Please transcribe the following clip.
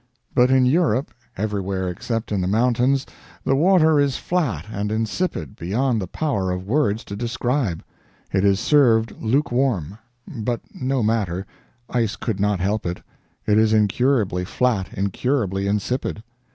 But in Europe everywhere except in the mountains, the water is flat and insipid beyond the power of words to describe. It is served lukewarm; but no matter, ice could not help it; it is incurably flat, incurably insipid.